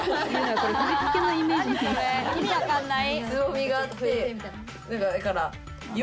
意味分かんない。